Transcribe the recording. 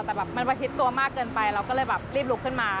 แต่แบบมันประชิดตัวมากเกินไปเราก็เลยแบบรีบลุกขึ้นมา